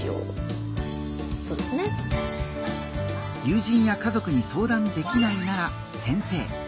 友人や家族に相談できないなら先生。